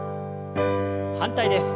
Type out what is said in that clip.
反対です。